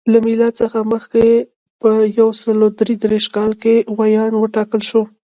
له میلاد څخه مخکې په یو سل درې دېرش کال کې ویاند وټاکل شو.